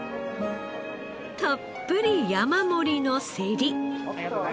たっぷり山盛りのセリ。